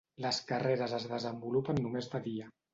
Les carreres es desenvolupen només de dia.